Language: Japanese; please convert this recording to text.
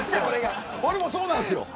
俺もそうなんです